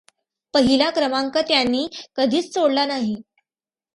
पहिला क्रमांक त्यांनी कधीच सोडला नाही.